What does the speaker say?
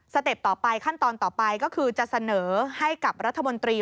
เต็ปต่อไปขั้นตอนต่อไปก็คือจะเสนอให้กับรัฐมนตรี